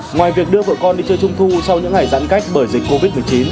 ngoài việc đưa vợ con đi chơi trung thu sau những ngày giãn cách bởi dịch covid một mươi chín